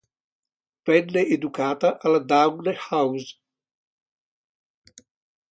Venne educata alla Downe House.